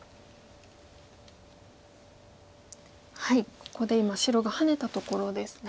ここで今白がハネたところですね。